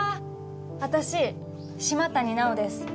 私島谷奈央です。